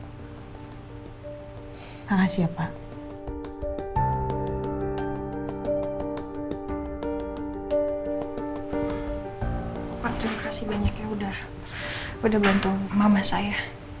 terima kasih banyaknya udah bantu mama saya